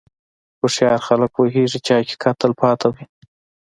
هوښیار خلک پوهېږي چې حقیقت تل پاتې وي.